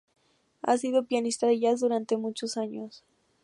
Ha sido pianista de jazz durante muchos años.